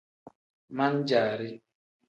Man-jaari.